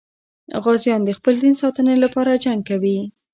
غازیان د خپل دین ساتنې لپاره جنګ کوي.